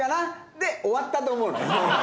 で終わったと思うのよ。